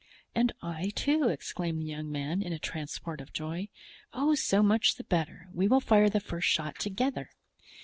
"And I, too!" exclaimed the young man, in a transport of joy. "Oh, so much the better, we will fire the first shot together."